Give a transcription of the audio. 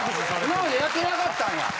今までやってなかったんや。